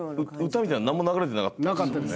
歌みたいなんなんも流れてなかったですもんね。